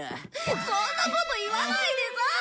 そんなこと言わないでさあ！